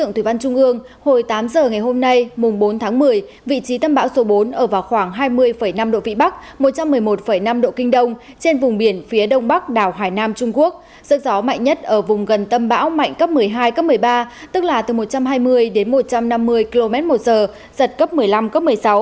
sức gió mạnh nhất ở vùng gần tâm bão mạnh cấp một mươi hai cấp một mươi ba tức là từ một trăm hai mươi đến một trăm năm mươi km một giờ giật cấp một mươi năm cấp một mươi sáu